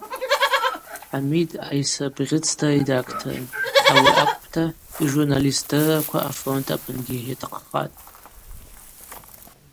Хӏамид айсра бгъьыц даредакторын – ауи акӏвпӏта, йжурналист дырраква афронт апынгьи йатахъхатӏ.